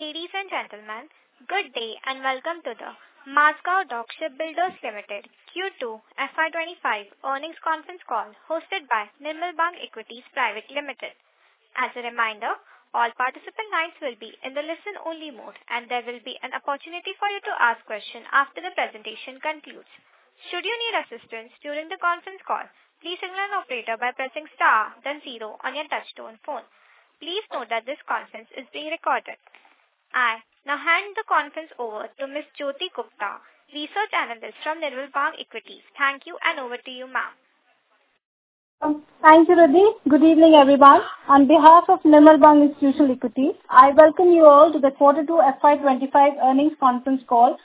Ladies and gentlemen, good day, and welcome to the Mazagon Dock Shipbuilders Limited Q2 FY 2025 earnings conference call hosted by Nirmal Bang Equities Private Limited. As a reminder, all participant lines will be in the listen-only mode, and there will be an opportunity for you to ask questions after the presentation concludes. Should you need assistance during the conference call, please signal an operator by pressing star, then zero on your touch-tone phone. Please note that this conference is being recorded. I now hand the conference over to Ms. Jyoti Gupta, Research Analyst from Nirmal Bang Equities. Thank you, and over to you, ma'am. Thank you, Rutvi. Good evening, everyone. On behalf of Nirmal Bang Institutional Equities, I welcome you all to the Q2 FY 2025 earnings conference call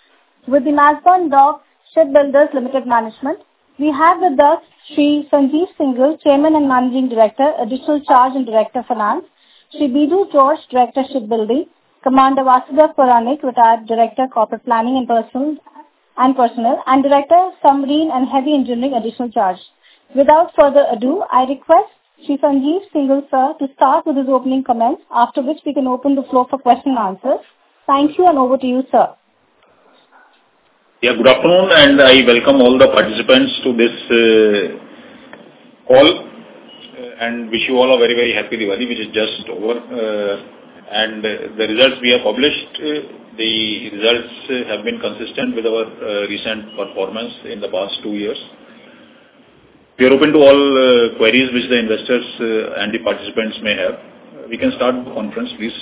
with the Mazagon Dock Shipbuilders Limited Management. We have with us Sri Sanjeev Singhal, Chairman and Managing Director, Additional Charge and Director of Finance, Sri Biju George, Director of Shipbuilding, Commander Vasudev Puranik, (Retd), Director of Corporate Planning and Personnel, and Director of Submarine and Heavy Engineering, Additional Charge. Without further ado, I request Sri Sanjeev Singhal, sir, to start with his opening comments, after which we can open the floor for questions and answers. Thank you, and over to you, sir. Yeah, good afternoon, and I welcome all the participants to this call and wish you all a very, very happy Diwali, which is just over, and the results we have published, the results have been consistent with our recent performance in the past two years. We are open to all queries which the investors and the participants may have. We can start the conference, please.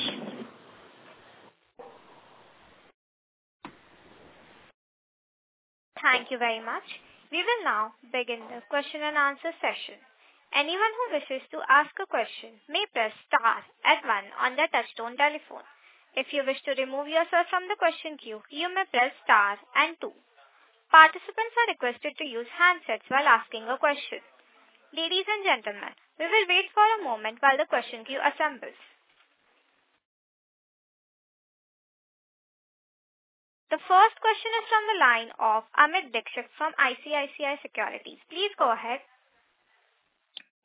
Thank you very much. We will now begin the question and answer session. Anyone who wishes to ask a question may press star and one on their touch-tone telephone. If you wish to remove yourself from the question queue, you may press star and two. Participants are requested to use handsets while asking a question. Ladies and gentlemen, we will wait for a moment while the question queue assembles. The first question is from the line of Amit Dixit from ICICI Securities. Please go ahead.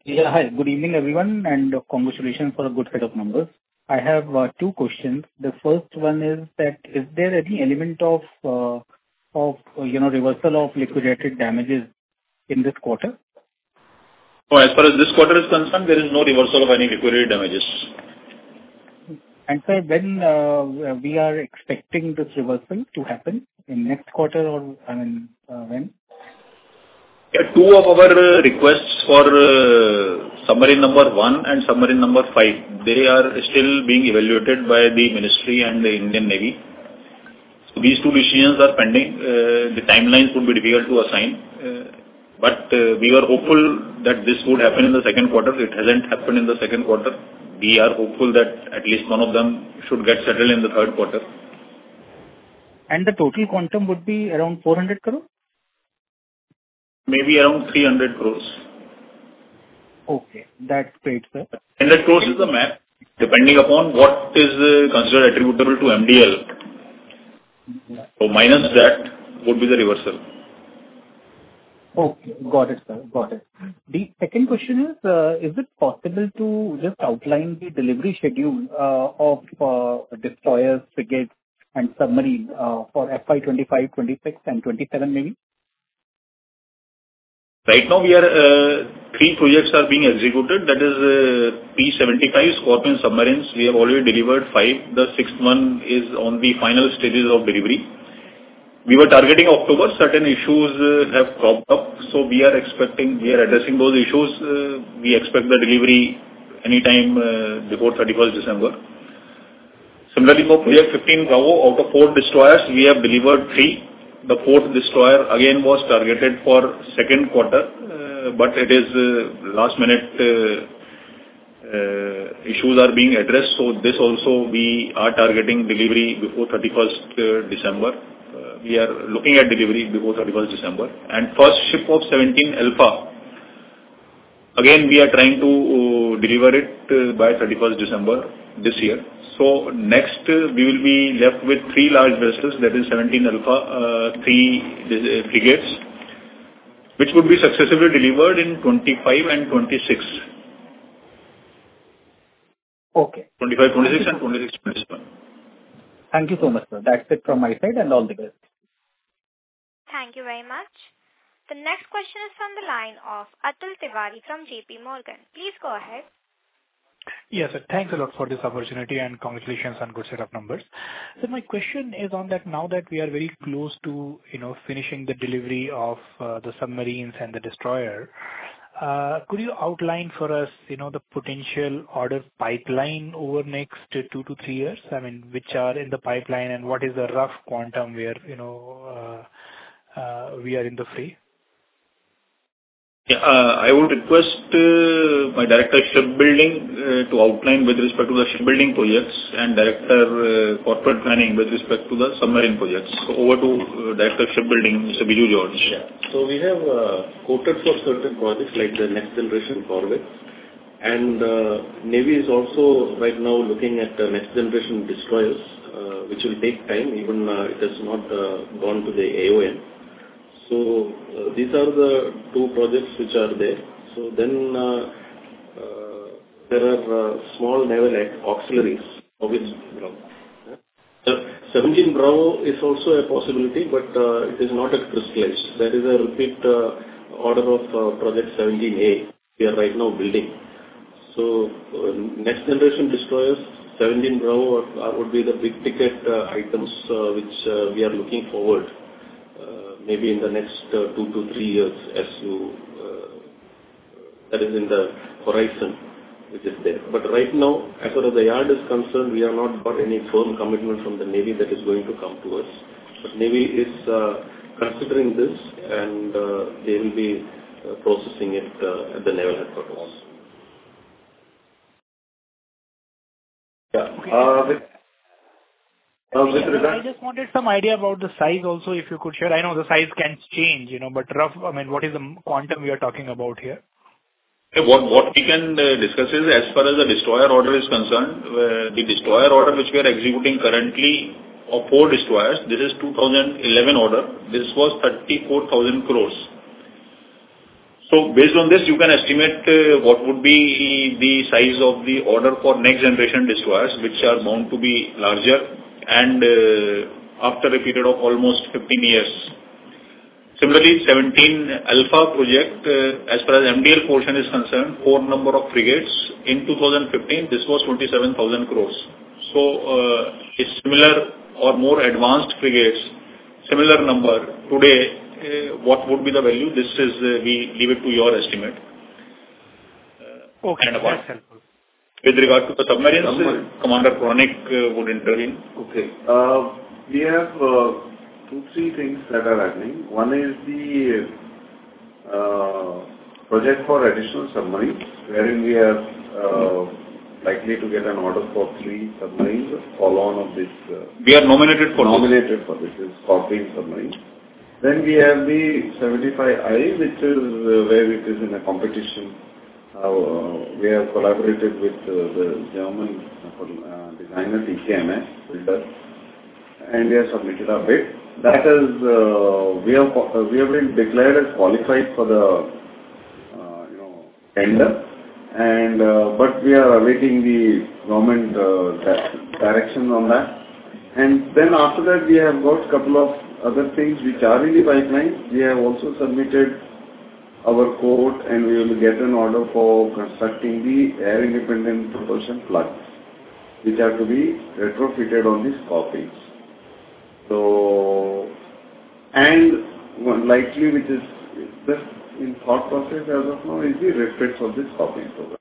Yeah, hi. Good evening, everyone, and congratulations for a good set of numbers. I have two questions. The first one is that, is there any element of, you know, reversal of liquidated damages in this quarter? As far as this quarter is concerned, there is no reversal of any liquidated damages. Sir, when we are expecting this reversal to happen in next quarter, or I mean, when? Yeah, two of our requests for submarine number one and submarine number five, they are still being evaluated by the Ministry and the Indian Navy. So these two decisions are pending. The timelines would be difficult to assign, but we were hopeful that this would happen in the second quarter. It hasn't happened in the second quarter. We are hopeful that at least one of them should get settled in the third quarter. The total quantum would be around 400 crore? Maybe around 300 crores. Okay. That's great, sir. 300 crores is the math, depending upon what is considered attributable to MDL. So minus that would be the reversal. Okay. Got it, sir. Got it. The second question is, is it possible to just outline the delivery schedule of destroyers, frigates, and submarines for FY 2025, 2026, and 2027, maybe? Right now, we have three projects being executed. That is P-75 Scorpène submarines. We have already delivered five. The sixth one is on the final stages of delivery. We were targeting October. Certain issues have cropped up, so we are addressing those issues. We expect the delivery anytime before 31st December. Similarly, for Project 15, out of four destroyers, we have delivered three. The fourth destroyer again was targeted for second quarter, but last-minute issues are being addressed. So this also, we are targeting delivery before 31st December. We are looking at delivery before 31st December. The first ship of 17 Alpha, again, we are trying to deliver it by 31st December this year. So next, we will be left with three large vessels. That is 17 Alpha, three frigates, which would be successfully delivered in 2025 and 2026. Okay. 2025, 2026, and 2026, 2027. Thank you so much, sir. That's it from my side and all the best. Thank you very much. The next question is from the line of Atul Tiwari from JP Morgan. Please go ahead. Yes, sir. Thanks a lot for this opportunity and congratulations on good set of numbers. So my question is on that now that we are very close to, you know, finishing the delivery of the submarines and the destroyer, could you outline for us, you know, the potential order pipeline over next two to three years? I mean, which are in the pipeline and what is the rough quantum where, you know, we are in the fray? Yeah, I would request my Director of Shipbuilding to outline with respect to the shipbuilding projects and Director of Corporate Planning with respect to the submarine projects. So over to Director of Shipbuilding, Mr. Biju George. Yeah. So we have quoted for certain projects like the Next Generation Corvette, and Navy is also right now looking at the Next Generation Destroyers, which will take time even if it has not gone to the AoN. So these are the two projects which are there. So then there are small naval auxiliaries, obviously. 17 Bravo is also a possibility, but it is not crystal clear. That is a repeat order of Project 17A we are right now building. So Next Generation Destroyers, 17 Bravo would be the big-ticket items which we are looking forward maybe in the next two to three years as you, that is in the horizon which is there. But right now, as far as the yard is concerned, we have not got any firm commitment from the Navy that is going to come to us. But Navy is considering this, and they will be processing it at the Naval Headquarters. Yeah. I just wanted some idea about the size also if you could share. I know the size can change, you know, but rough, I mean, what is the quantum we are talking about here? Yeah, what we can discuss is as far as the destroyer order is concerned, the destroyer order which we are executing currently of four destroyers, this is 2011 order. This was 34,000 crores. So based on this, you can estimate what would be the size of the order for next-generation destroyers which are bound to be larger and after a period of almost 15 years. Similarly, 17 Alpha project, as far as MDL portion is concerned, four number of frigates. In 2015, this was 27,000 crores. So similar or more advanced frigates, similar number. Today, what would be the value? This is we leave it to your estimate. Okay. That's helpful. With regard to the submarines, Commander Puranik would intervene. Okay. We have two, three things that are happening. One is the project for additional submarines wherein we are likely to get an order for three submarines following this project. We are nominated for this. Nominated for this. It's Scorpène submarines. Then we have the P-75(I), which is where it is in a competition. We have collaborated with the German designer, tkMS, builder, and they have submitted our bid. That is, we have been declared as qualified for the, you know, tender, and but we are awaiting the government direction on that. And then after that, we have got a couple of other things which are in the pipeline. We have also submitted our quote, and we will get an order for constructing the air-independent propulsion plugs, which have to be retrofitted on these Scorpène. So, and likely which is just in thought process as of now is the replication of this Scorpène program.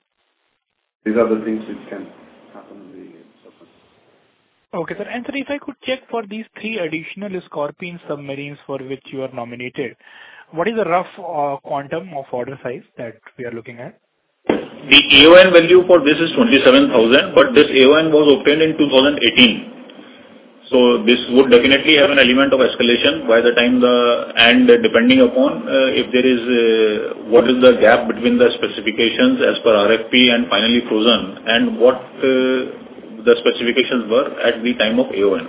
These are the things which can happen in the submarines. Okay, sir. And then, if I could check for these three additional Scorpène submarines for which you are nominated, what is the rough quantum of order size that we are looking at? The AoN value for this is 27,000, but this AoN was obtained in 2018. So this would definitely have an element of escalation by the time the and depending upon if there is what is the gap between the specifications as per RFP and finally frozen and what the specifications were at the time of AoN.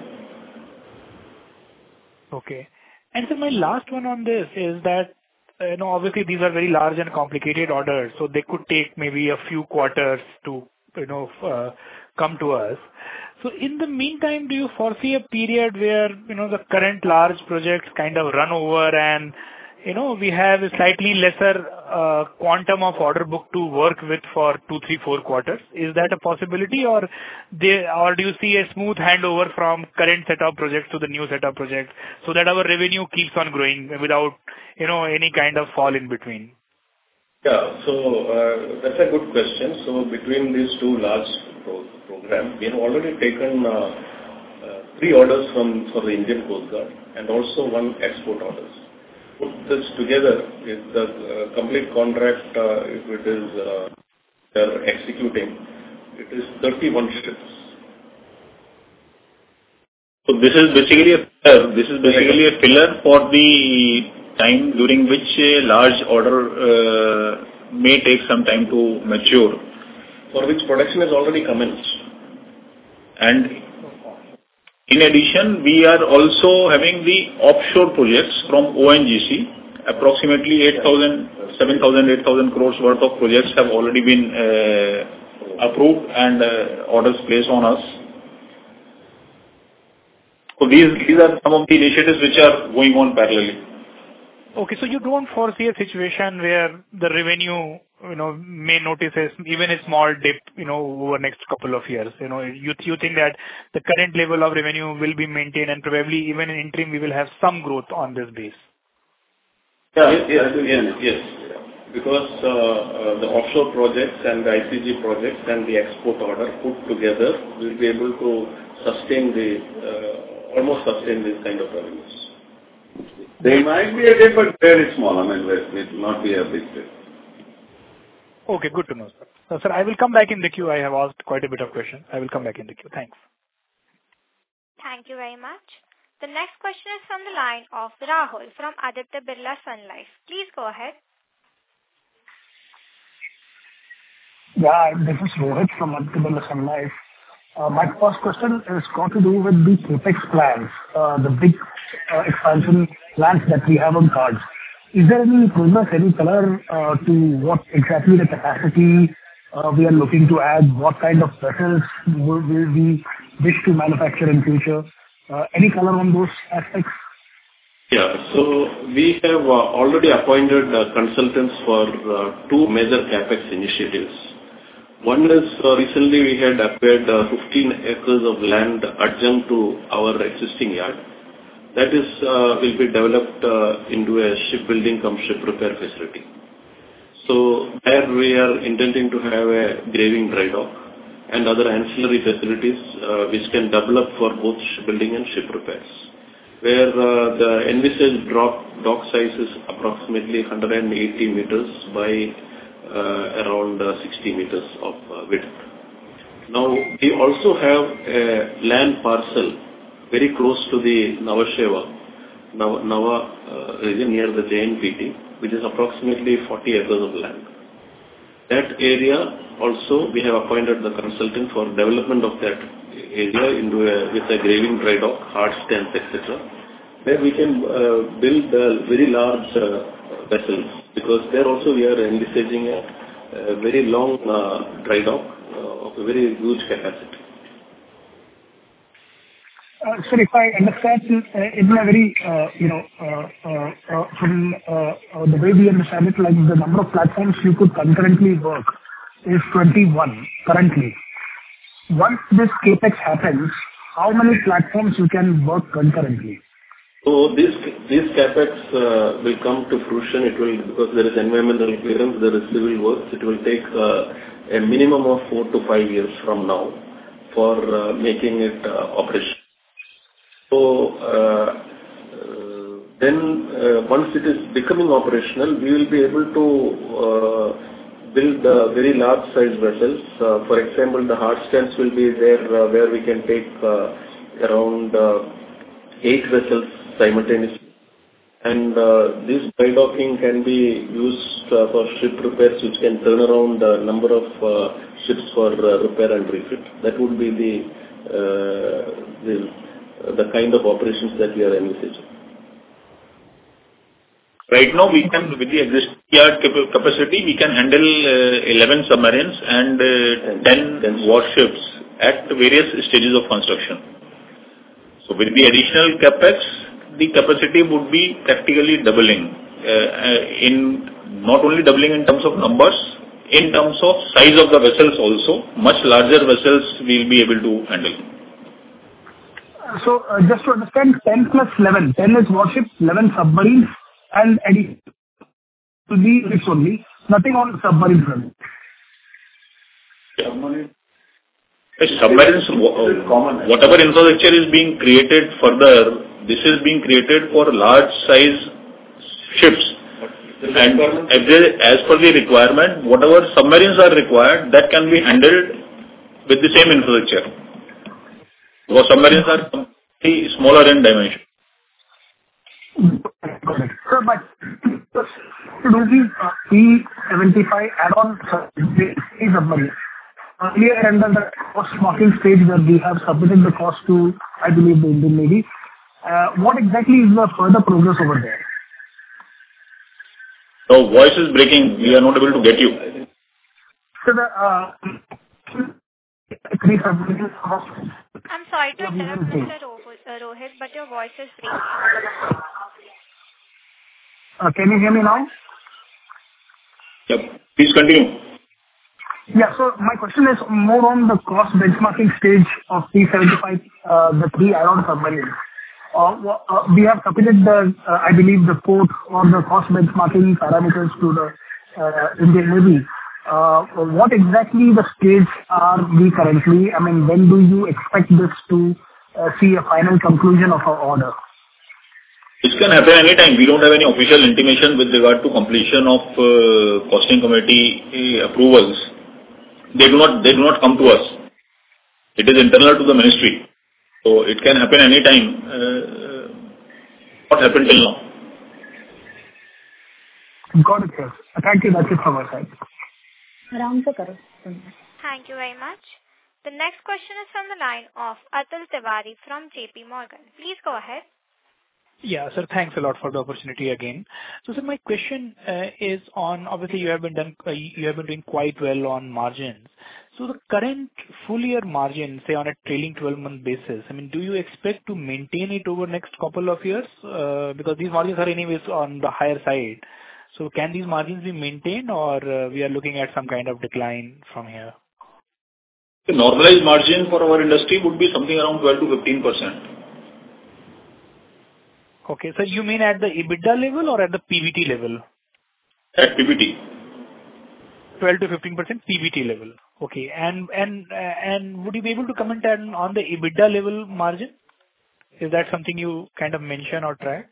Okay. And, sir, my last one on this is that, you know, obviously these are very large and complicated orders, so they could take maybe a few quarters to, you know, come to us. So in the meantime, do you foresee a period where, you know, the current large projects kind of run over and, you know, we have a slightly lesser quantum of order book to work with for two, three, four quarters? Is that a possibility, or do you see a smooth handover from current set of projects to the new set of projects so that our revenue keeps on growing without, you know, any kind of fall in between? Yeah, so that's a good question. So between these two large programs, we have already taken three orders from the Indian Coast Guard and also one export orders. Put this together, the complete contract, if it is they're executing, it is 31 ships. So this is basically a pillar. This is basically a pillar for the time during which a large order may take some time to mature for which production has already commenced. And in addition, we are also having the offshore projects from ONGC. Approximately 7,000 crores worth of projects have already been approved and orders placed on us. So these are some of the initiatives which are going on parallelly. Okay. So you don't foresee a situation where the revenue, you know, may notice even a small dip, you know, over the next couple of years, you know, you think that the current level of revenue will be maintained and probably even in interim we will have some growth on this base? Yeah, yes. Because the offshore projects and the ICG projects and the export order put together will be able to sustain almost this kind of revenues. There might be a dip, but very small. I mean, it will not be a big dip. Okay. Good to know, sir. Sir, I will come back in the queue. I have asked quite a bit of questions. I will come back in the queue. Thanks. Thank you very much. The next question is from the line of Rahul from Aditya Birla Sun Life. Please go ahead. Yeah, this is Rohit from Aditya Birla Sun Life. My first question has got to do with the CapEx plans, the big expansion plans that we have on the cards. Is there any improvement, any color to what exactly the capacity we are looking to add, what kind of vessels will we wish to manufacture in the future, any color on those aspects? Yeah. So we have already appointed consultants for two major CapEx initiatives. One is recently we had acquired 15 acres of land adjacent to our existing yard. That is, it will be developed into a shipbuilding-cum-ship repair facility. So there we are intending to have a graving dry dock and other ancillary facilities which can develop for both shipbuilding and ship repairs where the new dry dock size is approximately 180 meters by around 60 meters of width. Now, we also have a land parcel very close to the Nhava Sheva region near the JNPT, which is approximately 40 acres of land. That area also we have appointed the consultant for development of that area with a graving dry dock, hard stands, etc., where we can build very large vessels because there also we are envisaging a very long dry dock of a very huge capacity. Sir, if I understand, in a very, you know, from the way we understand it, like the number of platforms you could concurrently work is 21 currently. Once this CapEx happens, how many platforms you can work concurrently? This CapEx will come to fruition because there is environmental clearance, there is civil works. It will take a minimum of four to five years from now for making it operational. Once it is becoming operational, we will be able to build very large-sized vessels. For example, the hard stands will be there where we can take around eight vessels simultaneously. This dry dock can be used for ship repairs which can turn around the number of ships for repair and refit. That would be the kind of operations that we are envisaging. Right now, with the existing yard capacity, we can handle 11 submarines and 10 warships at various stages of construction. So with the additional CapEx, the capacity would be practically doubling, not only doubling in terms of numbers, in terms of size of the vessels also. Much larger vessels we will be able to handle. So, just to understand, 10 plus 11, 10 is warships, 11 submarines, and additional should be ships only, nothing on submarines run. Submarines. Submarines, whatever infrastructure is being created further, this is being created for large-sized ships, and as per the requirement, whatever submarines are required, that can be handled with the same infrastructure because submarines are smaller in dimension. Sir, but, the P-75 Kalvari submarine, we are under the costing stage where we have submitted the cost to, I believe, the Indian Navy. What exactly is the further progress over there? The voice is breaking. We are not able to get you. Sir, the. I'm sorry to interrupt you, Sir Rohit, but your voice is breaking. Can you hear me now? Yep. Please continue. Yeah. So my question is more on the cost benchmarking stage of P-75, the three add-on submarines. We have submitted, I believe, the quote or the cost benchmarking parameters to the Indian Navy. What exactly the stage are we currently? I mean, when do you expect this to see a final conclusion of our order? This can happen anytime. We don't have any official intimation with regard to completion of Costing Committee approvals. They do not come to us. It is internal to the ministry. So it can happen anytime. What happened till now? Got it, sir. Thank you. That's it from our side. Thank you very much. The next question is from the line of Atul Tiwari from JP Morgan. Please go ahead. Yeah, sir. Thanks a lot for the opportunity again. So, sir, my question is on, obviously, you have been doing quite well on margins. So, the current full-year margin, say on a trailing 12-month basis, I mean, do you expect to maintain it over the next couple of years? Because these margins are anyways on the higher side. So, can these margins be maintained, or we are looking at some kind of decline from here? The normalized margin for our industry would be something around 12%-15%. Okay. Sir, you mean at the EBITDA level or at the PBT level? At PBT. 12%-15% PBT level. Okay, and would you be able to comment on the EBITDA level margin? Is that something you kind of mention or track?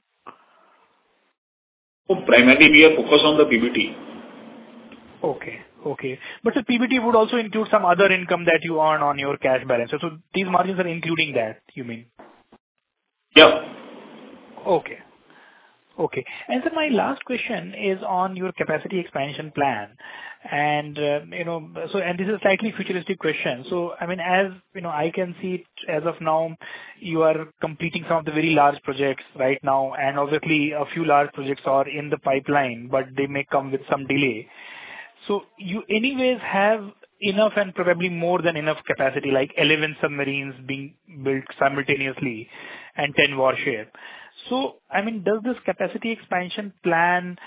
Primarily, we are focused on the PBT. Okay. Okay. But sir, PBT would also include some other income that you earn on your cash balance. So these margins are including that, you mean? Yeah. Okay. And sir, my last question is on your capacity expansion plan. And you know, so and this is a slightly futuristic question. So I mean, as you know, I can see as of now, you are completing some of the very large projects right now. And obviously, a few large projects are in the pipeline, but they may come with some delay. So you anyways have enough and probably more than enough capacity, like 11 submarines being built simultaneously and 10 warships. So I mean, does this capacity expansion plan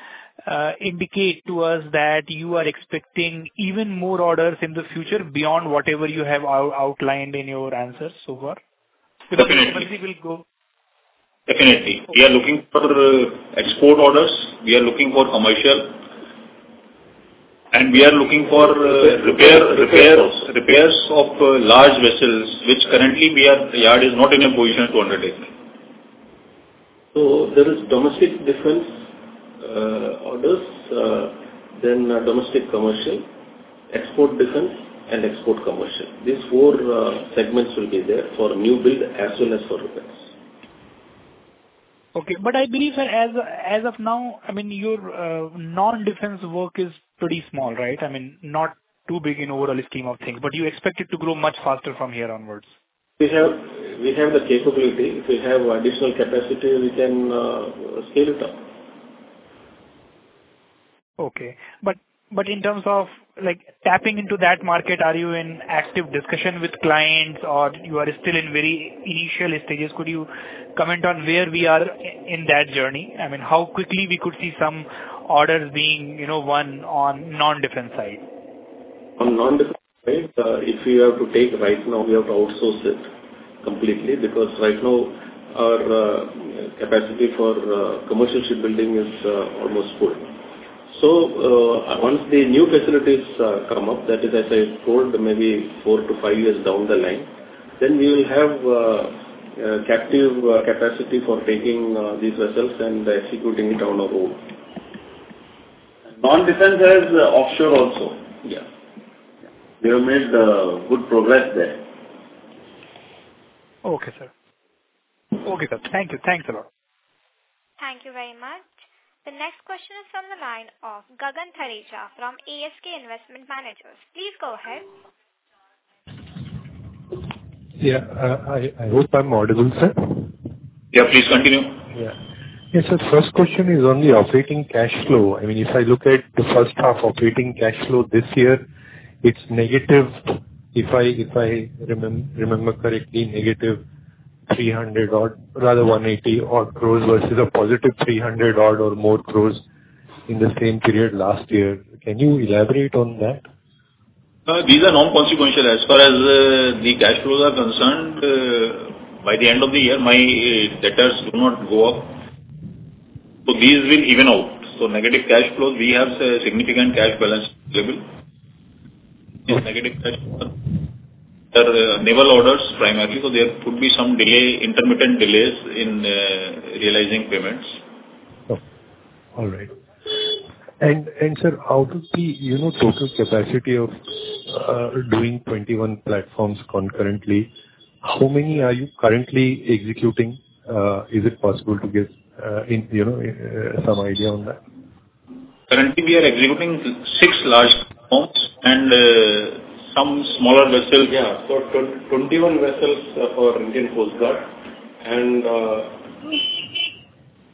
indicate to us that you are expecting even more orders in the future beyond whatever you have outlined in your answers so far? Definitely. With the way you will go? Definitely. We are looking for export orders. We are looking for commercial, and we are looking for repairs of large vessels, which currently the yard is not in a position to undertake. So there is domestic defense orders, then domestic commercial, export defense, and export commercial. These four segments will be there for new build as well as for repairs. Okay. But I believe, sir, as of now, I mean, your non-defense work is pretty small, right? I mean, not too big in overall scheme of things. But you expect it to grow much faster from here onwards? We have the capability. If we have additional capacity, we can scale it up. Okay. But in terms of tapping into that market, are you in active discussion with clients, or you are still in very initial stages? Could you comment on where we are in that journey? I mean, how quickly we could see some orders being, you know, won on non-defense side? On non-defense side, if you have to take right now, we have to outsource it completely because right now our capacity for commercial shipbuilding is almost full. So once the new facilities come up, that is, as I told, maybe four to five years down the line, then we will have captive capacity for taking these vessels and executing it on our own. Non-defense has offshore also. Yeah. We have made good progress there. Okay, sir. Okay, sir. Thank you. Thanks, sir. Thank you very much. The next question is from the line of Gagan Thareja from ASK Investment Managers. Please go ahead. Yeah. I hope I'm audible, sir. Yeah, please continue. Yeah. Yes, sir. First question is on the operating cash flow. I mean, if I look at the first half operating cash flow this year, it's negative, if I remember correctly, negative 300 odd crores, rather 180 odd crores versus a positive 300 odd or more crores in the same period last year. Can you elaborate on that? These are non-consequential as far as the cash flows are concerned. By the end of the year, my debtors do not go up. So these will even out. So negative cash flows, we have significant cash balance available. Negative cash flow on naval orders primarily. So there could be some delay, intermittent delays in realizing payments. All right. And sir, out of the total capacity of doing 21 platforms concurrently, how many are you currently executing? Is it possible to give, you know, some idea on that? Currently, we are executing six large platforms and some smaller vessels. Yeah, 21 vessels for Indian Coast Guard and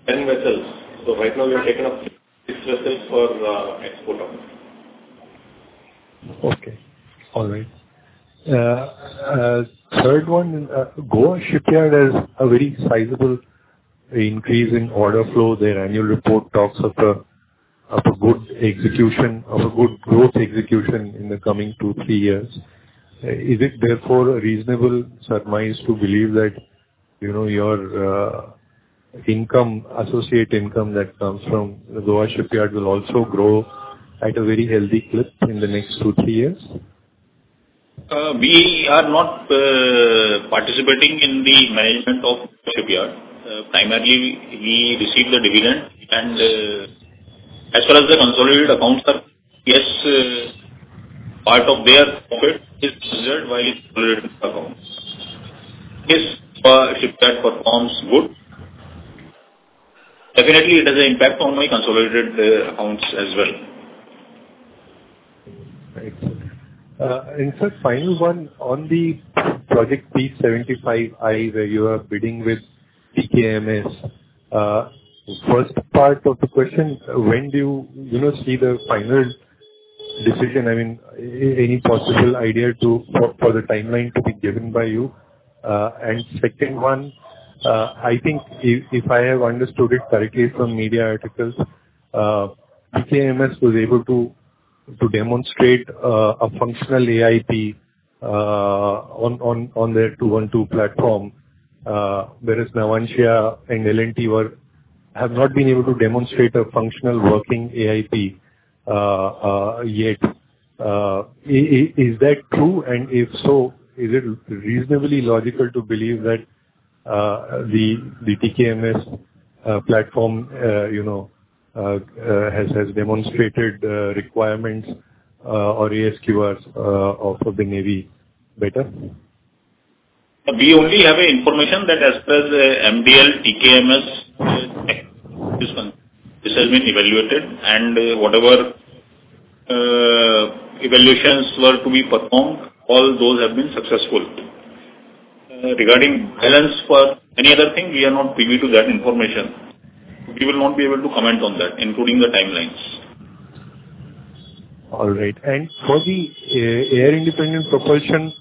10 vessels, so right now, we have taken up six vessels for export. Okay. All right. Third one, Goa Shipyard has a very sizable increase in order flow. Their annual report talks of a good execution, of a good growth execution in the coming two, three years. Is it therefore reasonable, to surmise, to believe that, you know, your income, associate income that comes from Goa Shipyard will also grow at a very healthy clip in the next two, three years? We are not participating in the management of Goa Shipyard. Primarily, we receive the dividend, and as far as the consolidated accounts, yes, part of their profit is preserved while consolidated accounts. Yes, Goa Shipyard performs good. Definitely, it has an impact on my consolidated accounts as well. Right. And sir, final one on the Project 75I where you are bidding with tkMS. First part of the question: when do you see the final decision? I mean, any possible idea for the timeline to be given by you? And second one, I think if I have understood it correctly from media articles, tkMS was able to demonstrate a functional AIP on their 212 platform, whereas Navantia and L&T have not been able to demonstrate a functional working AIP yet. Is that true? And if so, is it reasonably logical to believe that the tkMS platform, you know, has demonstrated requirements or NSQRs of the Navy better? We only have information that as per MDL, tkMS has been evaluated, and whatever evaluations were to be performed, all those have been successful. Regarding balance for any other thing, we are not privy to that information. We will not be able to comment on that, including the timelines. All right. And for the air independent propulsion,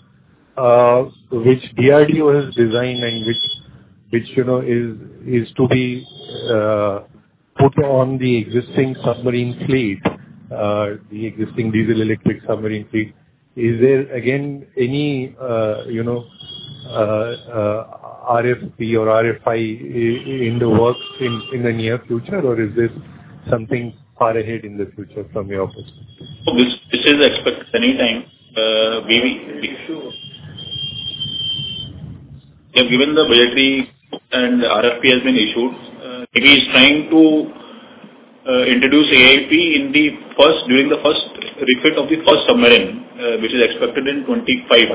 which DRDO has designed and which, you know, is to be put on the existing submarine fleet, the existing diesel electric submarine fleet, is there, again, any, you know, RFP or RFI in the works in the near future, or is this something far ahead in the future from your perspective? This is expected anytime. We have given the budgetary and RFP has been issued. He is trying to introduce AIP during the first refit of the first submarine, which is expected in 2025.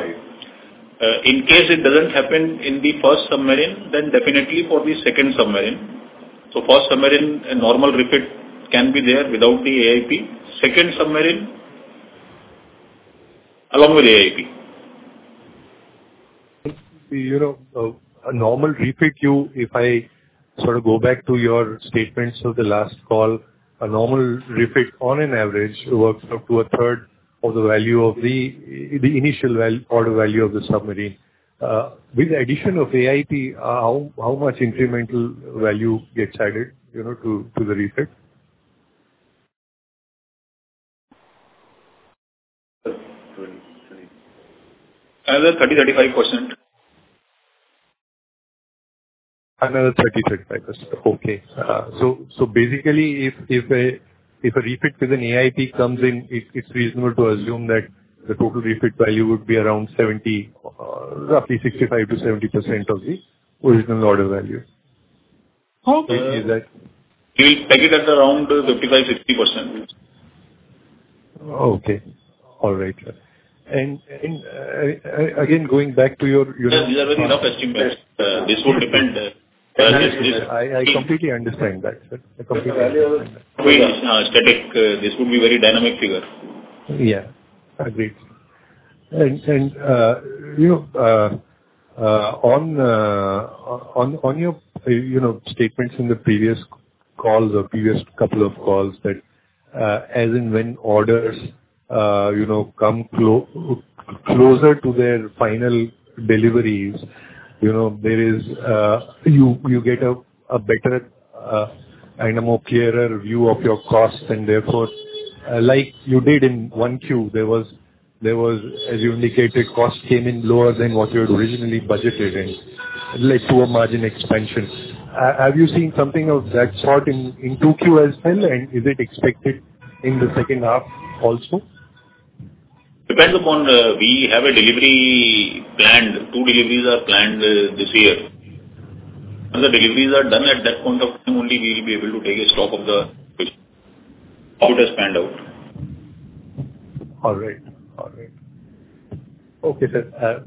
In case it doesn't happen in the first submarine, then definitely for the second submarine. So first submarine, normal refit can be there without the AIP. Second submarine along with AIP. You know, a normal refit, if I sort of go back to your statements of the last call, a normal refit on an average works up to a third of the value of the initial order value of the submarine. With the addition of AIP, how much incremental value gets added, you know, to the refit? Another 30%-35%. Another 30%-35%. Okay. So basically, if a refit with an AIP comes in, it's reasonable to assume that the total refit value would be around 70%, roughly 65%-70% of the original order value. Is that? You will take it at around 55%-60%. Okay. All right. And again, going back to your. These are very rough estimates. This would depend. I completely understand that, sir. I completely. We are static. This would be a very dynamic figure. Yeah. Agreed. And you know, on your statements in the previous calls or previous couple of calls that as and when orders, you know, come closer to their final deliveries, you know, there is, you get a better and a more clearer view of your costs. And therefore, like you did in 1Q, there was, as you indicated, cost came in lower than what you had originally budgeted in, like to a margin expansion. Have you seen something of that sort in 2Q as well? And is it expected in the second half also? Depends upon we have a delivery planned. Two deliveries are planned this year. Once the deliveries are done at that point of time, only we will be able to take a stock of the budget spanned out. All right. All right. Okay, sir.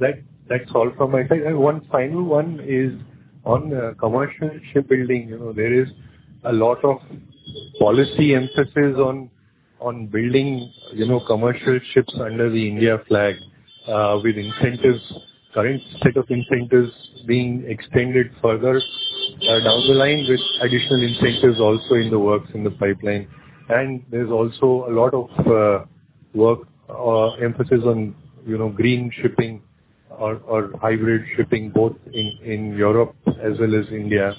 That's all from my side. One final one is on commercial shipbuilding. You know, there is a lot of policy emphasis on building, you know, commercial ships under the India flag with incentives, current set of incentives being extended further down the line with additional incentives also in the works in the pipeline. And there's also a lot of work or emphasis on, you know, green shipping or hybrid shipping both in Europe as well as India.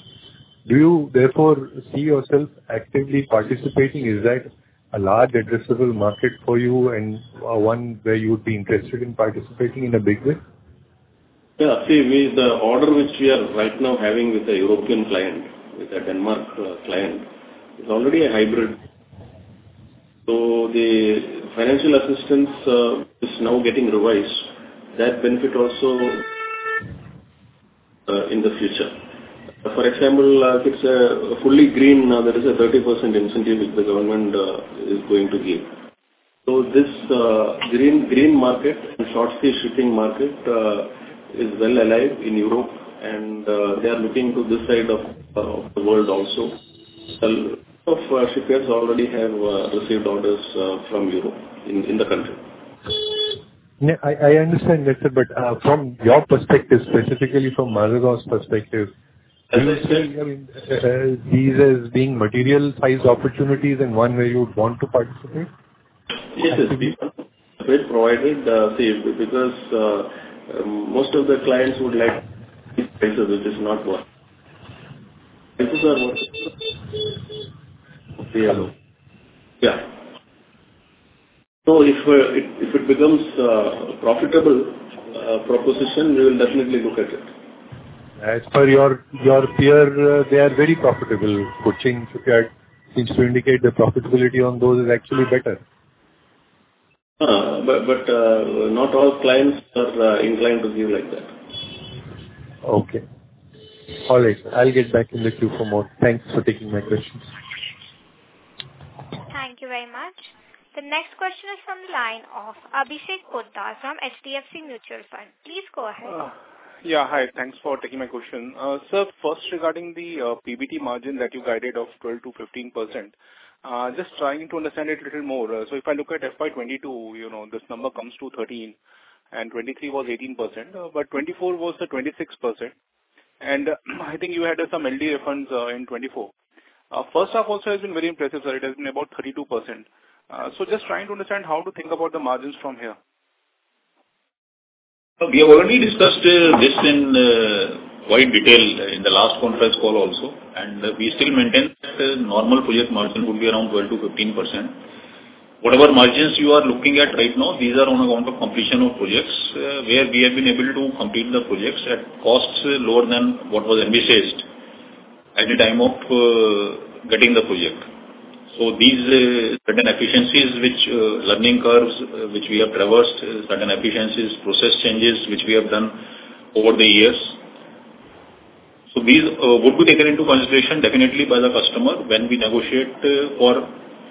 Do you therefore see yourself actively participating? Is that a large addressable market for you and one where you would be interested in participating in a big way? Yeah. See, the order which we are right now having with a European client, with a Denmark client, is already a hybrid. So the financial assistance is now getting revised. That benefit also in the future. For example, if it's fully green, there is a 30% incentive which the government is going to give. So this green market and short sea shipping market is well alive in Europe. And they are looking to this side of the world also. A lot of shippers already have received orders from Europe in the country. I understand that, sir. But from your perspective, specifically from Mazagon's perspective, do you see these as being material sized opportunities and one where you would want to participate? Yes, sir. We have provided the sea because most of the clients would like these prices, which is not what prices are what they allow. Yeah. So if it becomes a profitable proposition, we will definitely look at it. As per your peer, they are very profitable. Cochin seems to indicate the profitability on those is actually better. But not all clients are inclined to give like that. Okay. All right. I'll get back in the queue for more. Thanks for taking my questions. Thank you very much. The next question is from the line of Abhishek Poddar from HDFC Mutual Fund. Please go ahead. Yeah. Hi. Thanks for taking my question. Sir, first regarding the PBT margin that you guided of 12%-15%, just trying to understand it a little more. So if I look at FY 2022, you know, this number comes to 13%, and 2023 was 18%, but 2024 was the 26%. And I think you had some LD refunds in 2024. First half also has been very impressive, sir. It has been about 32%. So just trying to understand how to think about the margins from here. We have already discussed this in quite detail in the last conference call also. And we still maintain that normal project margin would be around 12%-15%. Whatever margins you are looking at right now, these are on account of completion of projects where we have been able to complete the projects at costs lower than what was envisaged at the time of getting the project. So these certain efficiencies, which learning curves which we have traversed, certain efficiencies, process changes which we have done over the years. So these would be taken into consideration definitely by the customer when we negotiate for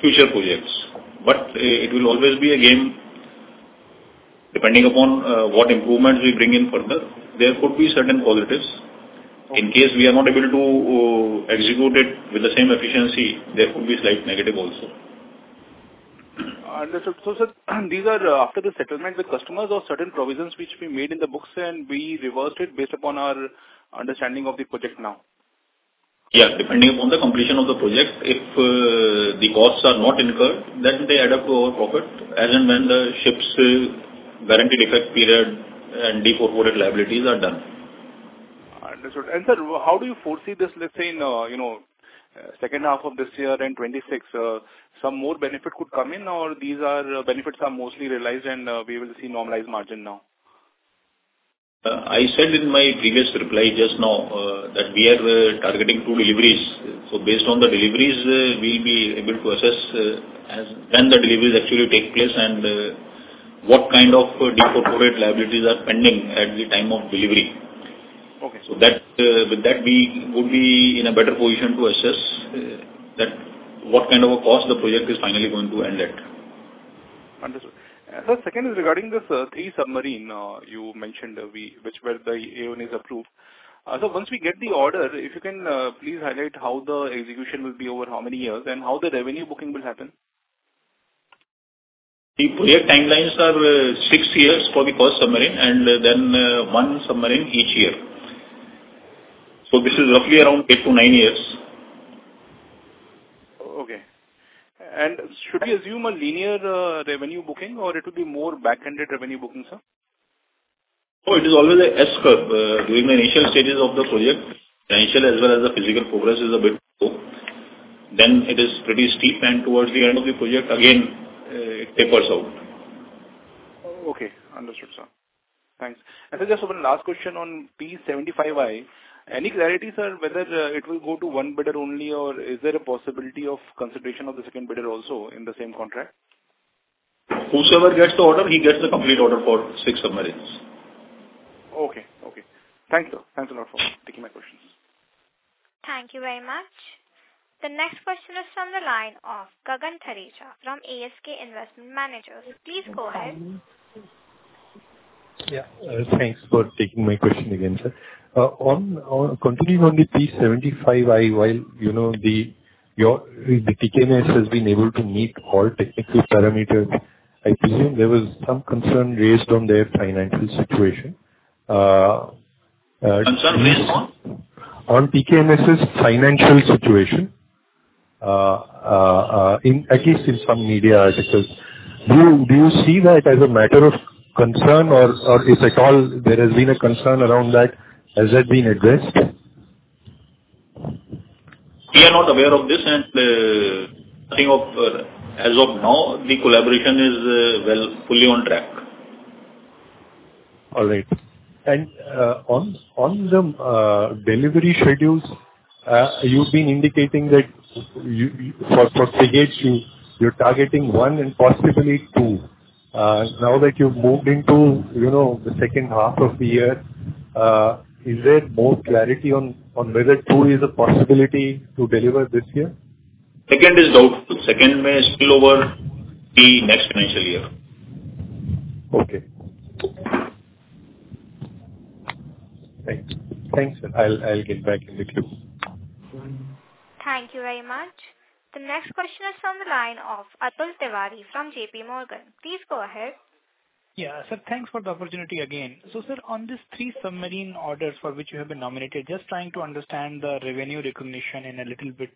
future projects. But it will always be a game depending upon what improvements we bring in further. There could be certain positives. In case we are not able to execute it with the same efficiency, there could be slight negative also. Understood. So sir, these are after the settlement with customers or certain provisions which we made in the books, and we reversed it based upon our understanding of the project now? Yeah. Depending upon the completion of the project, if the costs are not incurred, then they add up to our profit as and when the ship's guarantee defect period and deferred liabilities are done. Understood. And sir, how do you foresee this, let's say in, you know, second half of this year and 2026? Some more benefit could come in, or these benefits are mostly realized, and we will see normalized margin now? I said in my previous reply just now that we are targeting two deliveries. So based on the deliveries, we'll be able to assess when the deliveries actually take place and what kind of deferred liabilities are pending at the time of delivery. Okay. So with that, we would be in a better position to assess what kind of a cost the project is finally going to end at. Understood. Sir, second is regarding these three submarines you mentioned where the AoN is approved. So once we get the order, if you can please highlight how the execution will be over how many years and how the revenue booking will happen? The project timelines are six years for the first submarine and then one submarine each year, so this is roughly around eight to nine years. Okay. And should we assume a linear revenue booking, or it would be more back-ended revenue booking, sir? Oh, it is always an S-curve. During the initial stages of the project, the initial as well as the physical progress is a bit slow. Then it is pretty steep, and towards the end of the project, again, it tapers out. Okay. Understood, sir. Thanks. And sir, just one last question on P-75(I). Any clarity, sir, whether it will go to one bidder only, or is there a possibility of consideration of the second bidder also in the same contract? Whosoever gets the order, he gets the complete order for six submarines. Okay. Okay. Thank you. Thanks a lot for taking my questions. Thank you very much. The next question is from the line of Gagan Thareja from ASK Investment Managers. Please go ahead. Yeah. Thanks for taking my question again, sir. Continuing on the P-75(I), while you know the tkMS has been able to meet all technical parameters, I presume there was some concern raised on their financial situation. Concern raised on? On tkMS's financial situation, at least in some media articles. Do you see that as a matter of concern, or if at all there has been a concern around that, has that been addressed? We are not aware of this and, as of now, the collaboration is fully on track. All right and on the delivery schedules, you've been indicating that for six years, you're targeting one and possibly two. Now that you've moved into, you know, the second half of the year, is there more clarity on whether two is a possibility to deliver this year? Second is doubtful. Second may spill over the next financial year. Okay. Thanks. Thanks, sir. I'll get back in the queue. Thank you very much. The next question is from the line of Atul Tiwari from JP Morgan. Please go ahead. Yeah. Sir, thanks for the opportunity again. So sir, on these three submarine orders for which you have been nominated, just trying to understand the revenue recognition in a little bit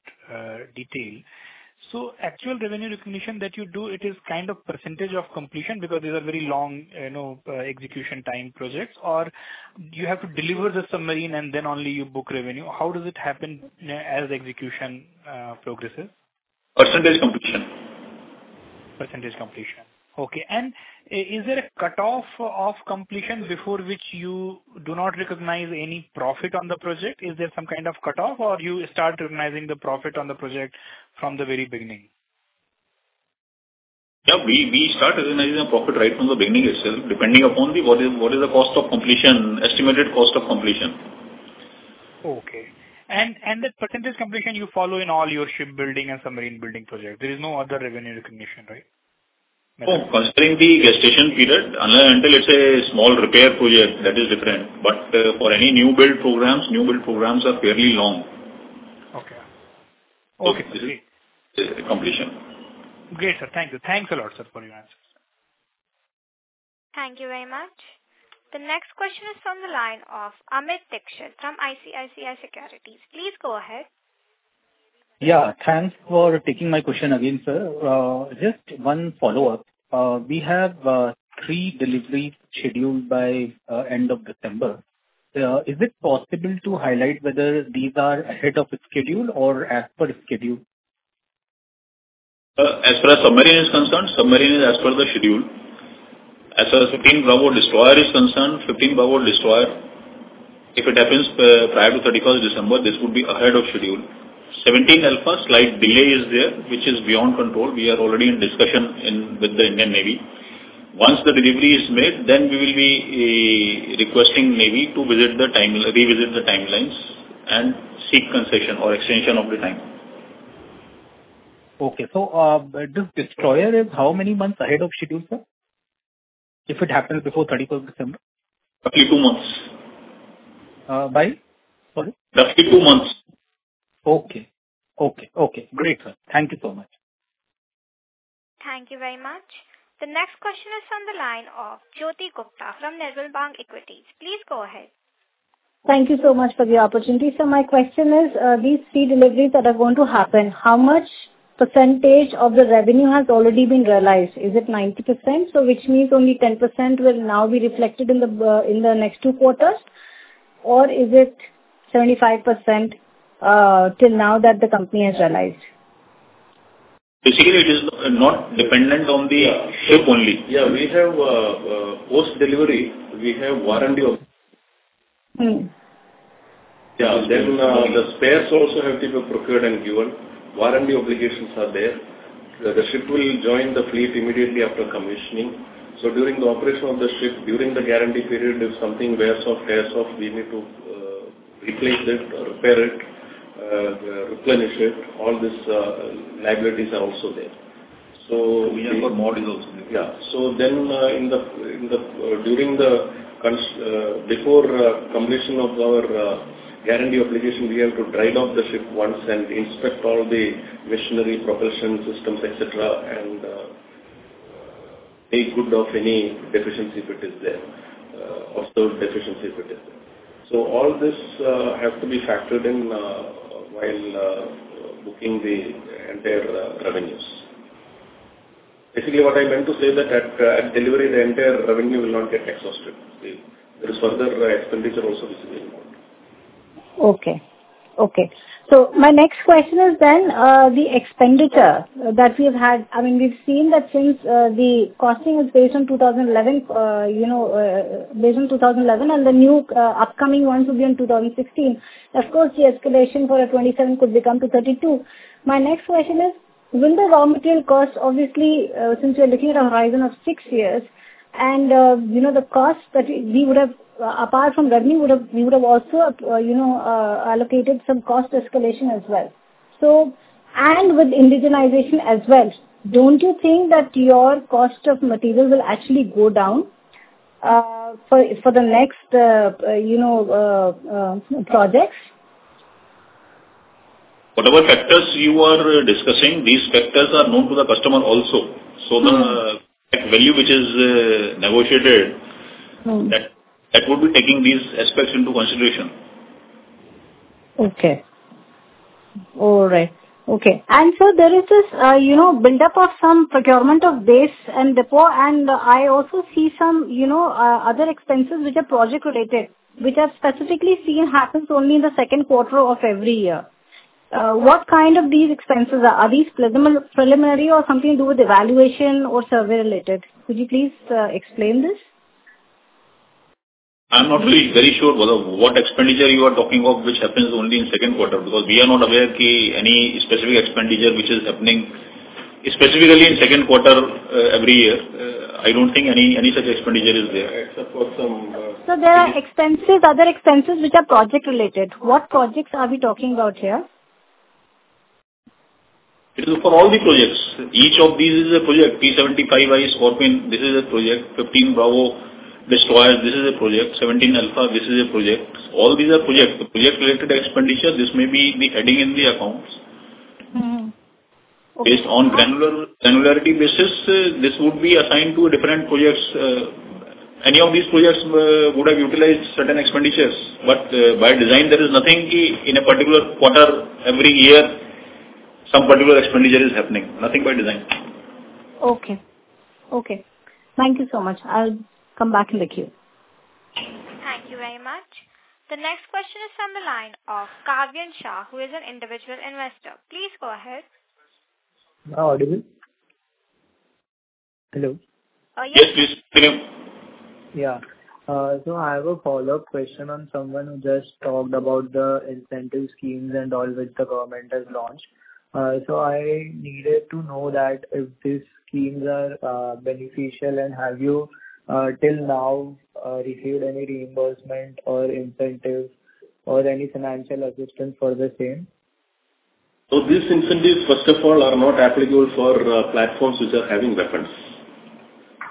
detail. So actual revenue recognition that you do, it is kind of percentage of completion because these are very long, you know, execution time projects, or you have to deliver the submarine and then only you book revenue. How does it happen as execution progresses? Percentage completion. Percentage completion. Okay. And is there a cutoff of completion before which you do not recognize any profit on the project? Is there some kind of cutoff, or you start recognizing the profit on the project from the very beginning? Yeah. We start recognizing the profit right from the beginning itself, depending upon what is the cost of completion, estimated cost of completion. Okay. And that percentage completion, you follow in all your shipbuilding and submarine building projects. There is no other revenue recognition, right? Oh, considering the gestation period, until it's a small repair project, that is different. But for any new build programs, new build programs are fairly long. Okay. Okay. Completion. Great, sir. Thank you. Thanks a lot, sir, for your answers. Thank you very much. The next question is from the line of Amit Dixit from ICICI Securities. Please go ahead. Yeah. Thanks for taking my question again, sir. Just one follow-up. We have three deliveries scheduled by end of December. Is it possible to highlight whether these are ahead of schedule or as per schedule? As far as submarine is concerned, submarine is as per the schedule. As far as 15 Bravo destroyer is concerned, 15 Bravo destroyer, if it happens prior to 31st December, this would be ahead of schedule. 17 Alpha slight delay is there, which is beyond control. We are already in discussion with the Indian Navy. Once the delivery is made, then we will be requesting Navy to revisit the timelines and seek concession or extension of the time. Okay. So this destroyer is how many months ahead of schedule, sir? If it happens before 31st December? Roughly two months. By? Sorry? Roughly two months. Okay. Great, sir. Thank you so much. Thank you very much. The next question is from the line of Jyoti Gupta from Nirmal Bang Equities. Please go ahead. Thank you so much for the opportunity. So my question is, these three deliveries that are going to happen, how much percentage of the revenue has already been realized? Is it 90%, which means only 10% will now be reflected in the next two quarters, or is it 75% till now that the company has realized? Basically, it is not dependent on the ship only. We have post-delivery warranty obligations. Then the spares also have to be procured and given. Warranty obligations are there. The ship will join the fleet immediately after commissioning. So during the operation of the ship, during the guarantee period, if something wears off, tears off, we need to replace it, repair it, replenish it. All these liabilities are also there. So we have a model. Yeah. So then, during the period before completion of our guarantee obligation, we have to dry dock the ship once and inspect all the machinery, propulsion systems, etc., and take care of any deficiency if it is there, offshore deficiency if it is there. So all this has to be factored in while booking the entire revenues. Basically, what I meant to say that at delivery, the entire revenue will not get exhausted. There is further expenditure also visible in the order. Okay. Okay. So my next question is then the expenditure that we have had. I mean, we've seen that since the costing is based on 2011, you know, based on 2011, and the new upcoming ones will be in 2016. Of course, the escalation for a 27 could become to 32. My next question is, will the raw material cost, obviously, since we are looking at a horizon of six years, and you know the cost that we would have, apart from revenue, we would have also allocated some cost escalation as well. So and with indigenization as well, don't you think that your cost of material will actually go down for the next, you know, projects? Whatever factors you are discussing, these factors are known to the customer also. So the net value which is negotiated, that would be taking these aspects into consideration. Okay. All right. Okay. And sir, there is this, you know, buildup of some procurement of this, and I also see some, you know, other expenses which are project-related, which I've specifically seen happens only in the second quarter of every year. What kind of these expenses are? Are these preliminary or something to do with evaluation or survey-related? Could you please explain this? I'm not really very sure what expenditure you are talking of, which happens only in second quarter, because we are not aware of any specific expenditure which is happening specifically in second quarter every year. I don't think any such expenditure is there. Except for some. So there are expenses, other expenses which are project-related. What projects are we talking about here? It is for all the projects. Each of these is a project. P-75(I), Scorpène, this is a project. 15 Bravo destroyers, this is a project. 17 Alpha, this is a project. All these are projects. The project-related expenditure, this may be the heading in the accounts. Based on granularity basis, this would be assigned to different projects. Any of these projects would have utilized certain expenditures. But by design, there is nothing in a particular quarter every year, some particular expenditure is happening. Nothing by design. Okay. Okay. Thank you so much. I'll come back in the queue. Thank you very much. The next question is from the line of Kayvan Shah, who is an individual investor. Please go ahead. Now, audible? Hello. Yes. Yes, please. Yeah. So I have a follow-up question on someone who just talked about the incentive schemes and all which the government has launched. So I needed to know that if these schemes are beneficial and have you till now received any reimbursement or incentive or any financial assistance for the same? These incentives, first of all, are not applicable for platforms which are having weapons.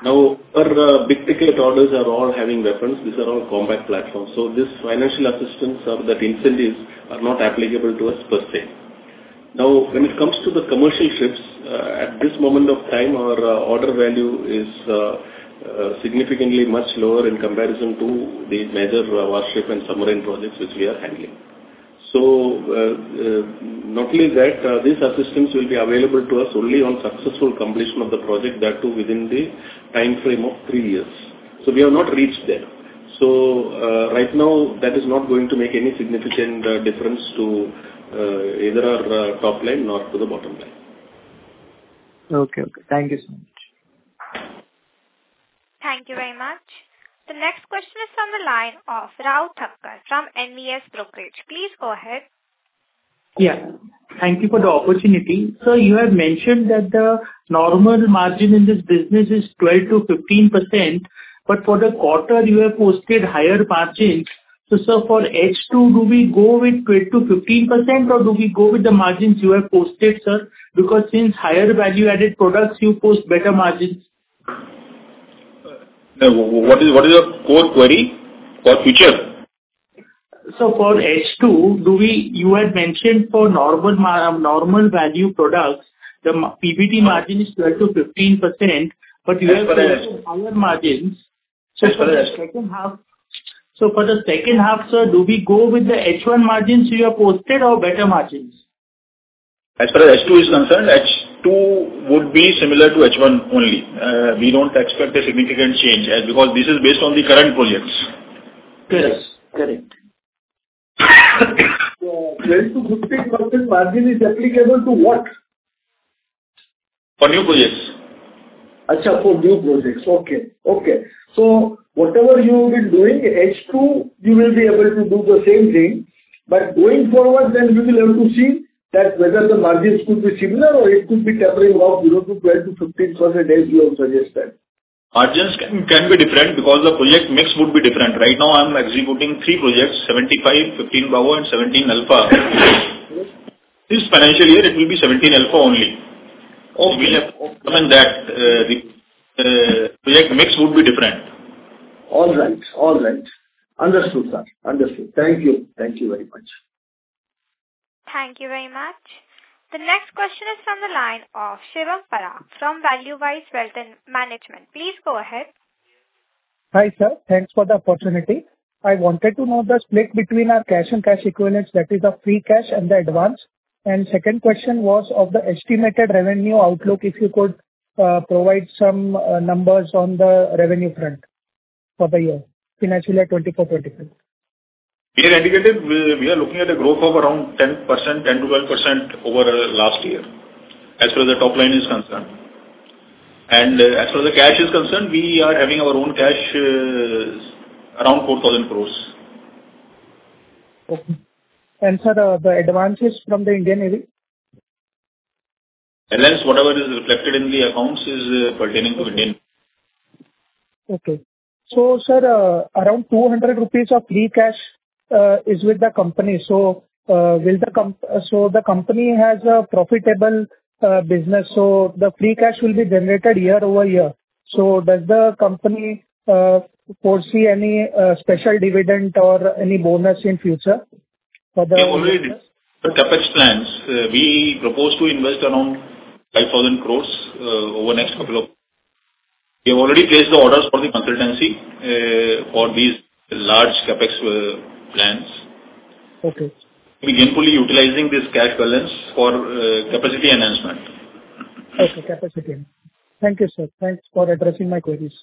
Now, our big ticket orders are all having weapons. These are all combat platforms. So these financial assistance or the incentives are not applicable to us per se. Now, when it comes to the commercial ships, at this moment of time, our order value is significantly much lower in comparison to the major warship and submarine projects which we are handling. So not only that, this assistance will be available to us only on successful completion of the project, that too within the time frame of three years. So we have not reached there. So right now, that is not going to make any significant difference to either our top line nor to the bottom line. Okay. Okay. Thank you so much. Thank you very much. The next question is from the line of Rau Thakkar from NVS Brokerage. Please go ahead. Yeah. Thank you for the opportunity. Sir, you have mentioned that the normal margin in this business is 12%-15%, but for the quarter, you have posted higher margins. So sir, for H2, do we go with 12%-15%, or do we go with the margins you have posted, sir? Because since higher value-added products, you post better margins. What is your core query for future? So for H2, you had mentioned for normal value products, the PBT margin is 12%-15%, but you have mentioned higher margins. So for the second half, sir, do we go with the H1 margins you have posted or better margins? As far as H2 is concerned, H2 would be similar to H1 only. We don't expect a significant change because this is based on the current projects. Correct. Correct. 12%-15% margin is applicable to what? For new projects. for new projects. Okay. Okay. So whatever you have been doing, H2, you will be able to do the same thing. But going forward, then we will have to see that whether the margins could be similar or it could be tempering up 0% to 12% to 15% as you have suggested. Margins can be different because the project mix would be different. Right now, I'm executing three projects: 75, 15 Bravo, and 17 Alpha. This financial year, it will be 17 Alpha only. We have to determine that project mix would be different. All right. All right. Understood, sir. Understood. Thank you. Thank you very much. Thank you very much. The next question is from the line of Shivam Parakh from Valuewise Wealth Management. Please go ahead. Hi, sir. Thanks for the opportunity. I wanted to know the split between our cash and cash equivalents, that is, the free cash and the advance. And second question was of the estimated revenue outlook, if you could provide some numbers on the revenue front for the year, financial year 2024-25? Yeah. We are looking at a growth of around 10%, 10% to 12% over last year as far as the top line is concerned. And as far as the cash is concerned, we are having our own cash around 4,000 crores. Okay. Sir, the advance is from the Indian Navy? Advance, whatever is reflected in the accounts, is pertaining to Indian Navy. Okay. So, sir, around INR 200 of free cash is with the company. So the company has a profitable business, so the free cash will be generated year over year. So does the company foresee any special dividend or any bonus in future for the? We have already the CapEx plans. We propose to invest around 5,000 crores over the next couple of years. We have already placed the orders for the consultancy for these large CapEx plans. We begin fully utilizing this cash balance for capacity enhancement. Okay. Capacity. Thank you, sir. Thanks for addressing my queries.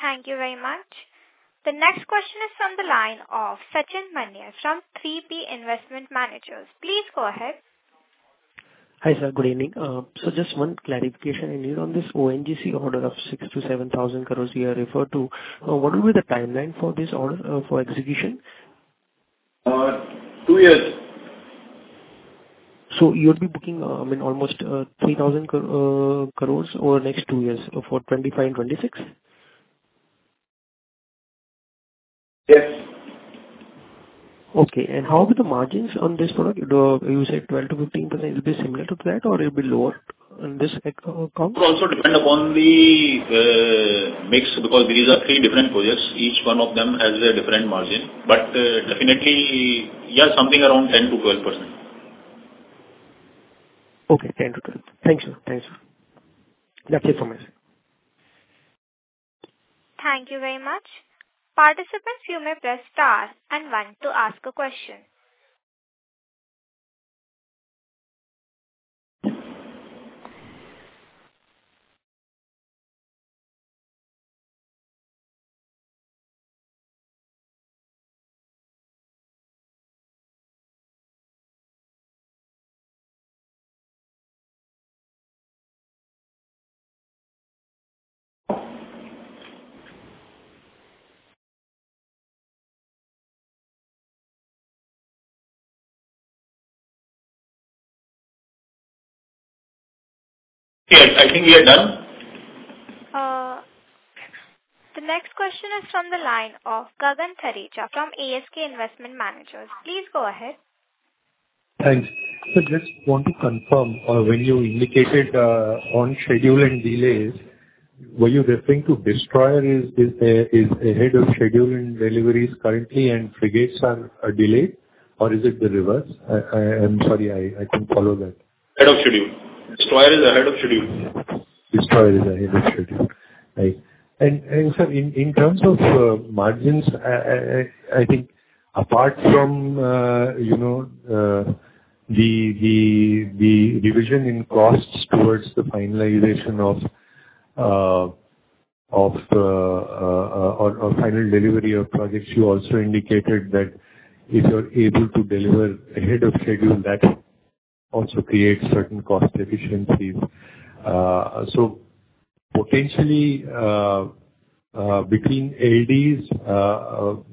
Thank you very much. The next question is from the line of Sachin Maniar from 3P Investment Managers. Please go ahead. Hi, sir. Good evening. So just one clarification. I need on this ONGC order of 6,000-7,000 crores you have referred to, what will be the timeline for this order for execution? Two years. So you'll be booking, I mean, almost 3,000 crores over the next two years for 2025 and 2026? Yes. Okay. And how about the margins on this product? You said 12%-15%. It'll be similar to that, or it'll be lower in this account? It will also depend upon the mix because these are three different projects. Each one of them has a different margin. But definitely, yeah, something around 10%-12%. Okay. 10 to 12. Thank you. Thank you. That's it from my side. Thank you very much. Participants, you may press star and one to ask a question. Yes. I think we are done. The next question is from the line of Gagan Thareja from ASK Investment Managers. Please go ahead. Thanks. So just want to confirm, when you indicated on schedule and delays, were you referring to destroyer is ahead of schedule in deliveries currently, and frigates are delayed? Or is it the reverse? I'm sorry, I couldn't follow that. Ahead of schedule. Destroyer is ahead of schedule. Destroyer is ahead of schedule. Right. And sir, in terms of margins, I think apart from the revision in costs towards the finalization of final delivery of projects, you also indicated that if you're able to deliver ahead of schedule, that also creates certain cost efficiencies. So potentially, between LDs,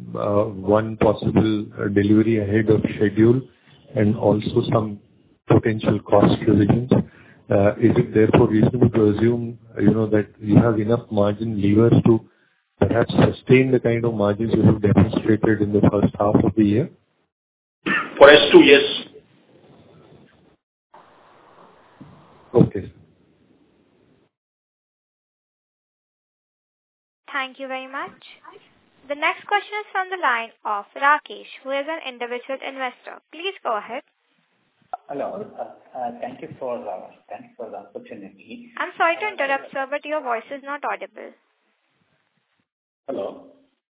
one possible delivery ahead of schedule and also some potential cost revisions, is it therefore reasonable to assume that you have enough margin levers to perhaps sustain the kind of margins you have demonstrated in the first half of the year? For H2, yes. Okay. Thank you very much. The next question is from the line of Rakesh, who is an individual investor. Please go ahead. Hello. Thank you for the opportunity. I'm sorry to interrupt, sir, but your voice is not audible. Hello?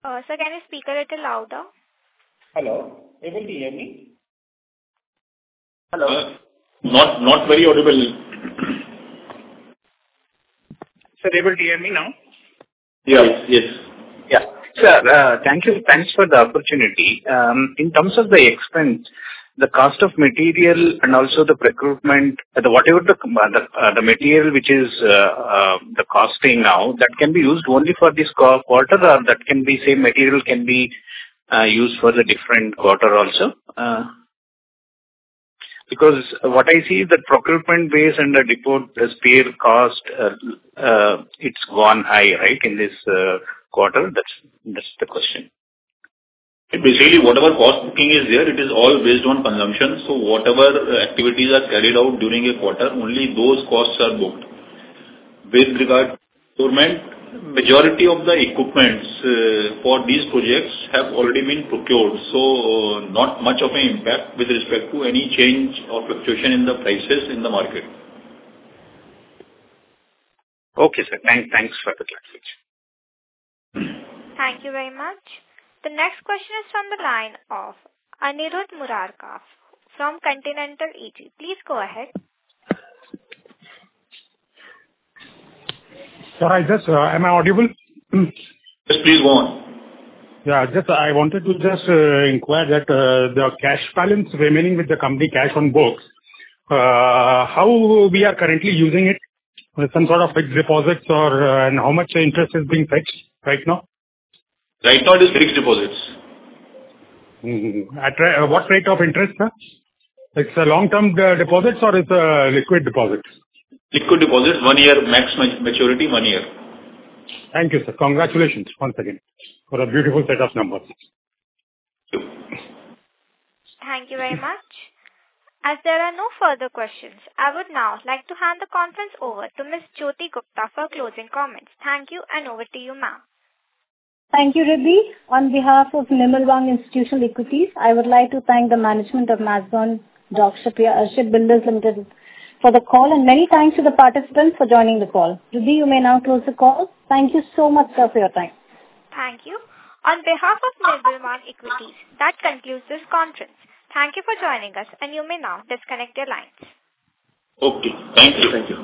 Sir, can you speak a little louder? Hello. Able to hear me? Hello. Not very audible. Sir, able to hear me now? Yes. Yes. Yeah. Sir, thank you. Thanks for the opportunity. In terms of the expense, the cost of material and also the procurement, whatever the material which is the costing now, that can be used only for this quarter, or that can be same material can be used for the different quarter also? Because what I see is that procurement base and the report has cleared cost, it's gone high, right, in this quarter? That's the question. It is really whatever cost booking is there, it is all based on consumption. So whatever activities are carried out during a quarter, only those costs are booked. With regard to procurement, majority of the equipment for these projects have already been procured. So not much of an impact with respect to any change or fluctuation in the prices in the market. Okay, sir. Thanks. Thanks for the clarification. Thank you very much. The next question is from the line of Anirudh Murarka from Continental Securities. Please go ahead. Sir, hi sir. Am I audible? Yes, please go on. Yeah. I wanted to just inquire that the cash balance remaining with the company's cash on books, how we are currently using it with some sort of fixed deposits and how much interest is being fixed right now? Right now, it is fixed deposits. What rate of interest, sir? It's a long-term deposits or it's a liquid deposit? Liquid deposits. One-year max maturity, one year. Thank you, sir. Congratulations once again for a beautiful set of numbers. Thank you. Thank you very much. As there are no further questions, I would now like to hand the conference over to Ms. Jyoti Gupta for closing comments. Thank you, and over to you, ma'am. Thank you, Rutvi. On behalf of Nirmal Bang Institutional Equities, I would like to thank the management of Mazagon Shipbuilders Limited for the call, and many thanks to the participants for joining the call. Rutvi Thank you. On behalf of Nirmal Bang Equities, that concludes this conference. Thank you for joining us, and you may now disconnect your lines. Okay. Thank you.